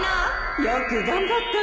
よく頑張ったね。